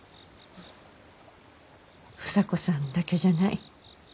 房子さんだけじゃない。